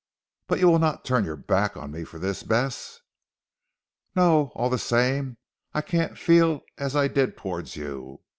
But you will not turn your back on me for this Bess?" "No. All the same I can't feel as I did towards you.